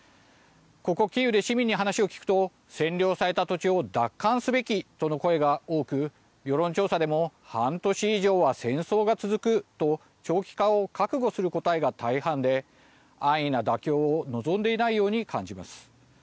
ここキーウで市民に話を聞くと占領された土地を奪還すべきとの声が多く、世論調査でも半年以上は戦争が続くと長期化を覚悟する答えが大半で安易な妥協を望んでいないように感じます。